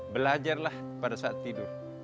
belajarlah pada saat tidur